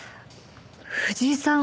藤井さん